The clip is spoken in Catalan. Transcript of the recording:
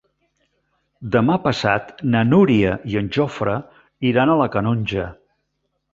Demà passat na Núria i en Jofre iran a la Canonja.